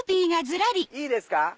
いいですか？